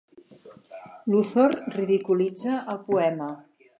Luthor ridiculitza el poema.